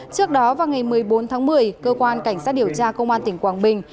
trước đó vào ngày một mươi bốn tháng một mươi cơ quan cảnh sát điều tra công an tỉnh quảng bình